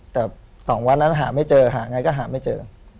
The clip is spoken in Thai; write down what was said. แต่๒วันนั้นหาไม่เจอหาไงก็หาไม่เจอ